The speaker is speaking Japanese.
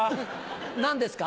何ですか？